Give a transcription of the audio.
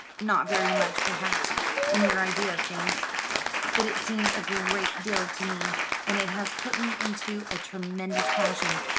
"Not very much, perhaps, in your idea of things: but it seems a great deal to me. And it has put me into a tremendous passion.